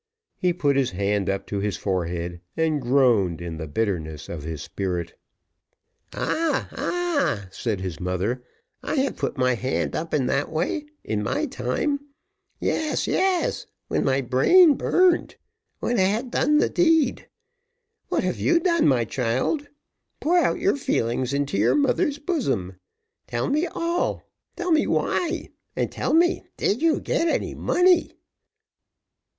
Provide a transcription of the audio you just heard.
He put his hand up to his forehead, and groaned in the bitterness of his spirit. "Ah! ah!" said his mother "I have put my hand up in that way in my time. Yes, yes when my brain burned when I had done the deed. What have you done, my child? Pour out your feelings into your mother's bosom. Tell me all tell me why and tell me, did you get any money?"